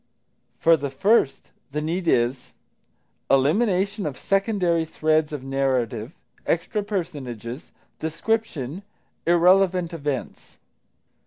For the first, the need is Elimination of secondary threads of narrative, extra personages, description, irrelevant events.